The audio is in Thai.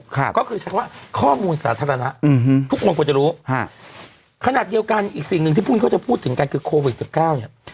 ครับก็คือใช้คำว่าข้อมูลสาธารณะอืมทุกคนควรจะรู้ฮะขนาดเดียวกันอีกสิ่งหนึ่งที่พรุ่งนี้เขาจะพูดถึงกันคือโควิดสิบเก้าเนี่ย